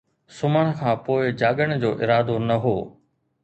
سمهڻ کان پوءِ جاڳڻ جو ارادو نه هو